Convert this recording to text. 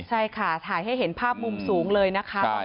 ใช่ค่ะถ่ายให้เห็นภาพมุมสูงเลยนะคะ